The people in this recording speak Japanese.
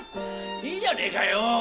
いいじゃねえかよ。